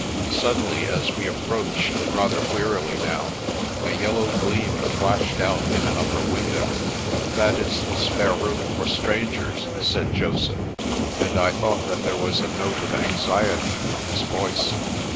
Suddenly, as we approached, rather wearily now, a yellow gleam flashed out in an upper window. " That is the spare room for strangers," said Joseph, and I thought that there was a note of anxiety in his voice.